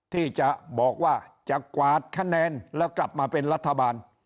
ที่จะบอกว่าจะกวาดคะแนนแล้วกลับมาเป็นรัฐบาล